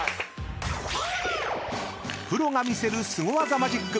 ［プロが魅せるスゴ技マジック！